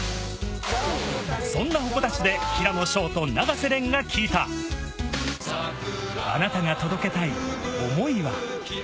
そんな鉾田市で平野紫耀と永瀬廉が聞いた、あなたが届けたい想いは？